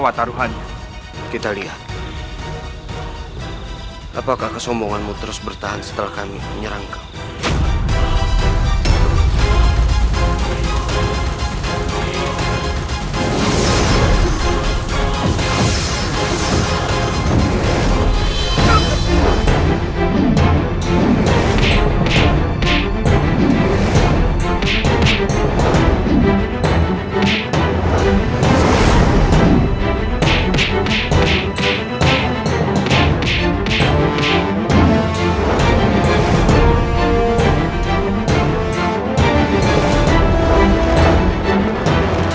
aku tidak tahu harus melakukan apa sheik